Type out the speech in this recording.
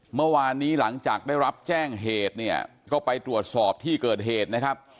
เมื่อวานนี้หลังจากได้รับแจ้งเหตุเนี่ยก็ไปตรวจสอบที่เกิดเหตุนะครับ